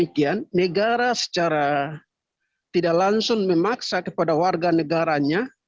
demikian negara secara tidak langsung memaksa kepada warga negaranya